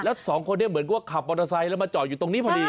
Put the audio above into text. แล้วสองคนนี้เหมือนก็ขับมอเตอร์ไซค์แล้วมาจอดอยู่ตรงนี้พอดี